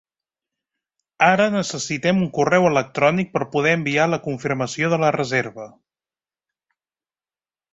Ara necessitem un correu electrònic per poder enviar la confirmació de la reserva.